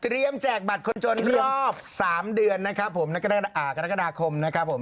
เตรียมแจกบัตรคนจนรอบ๓เดือนกรณกฎาคม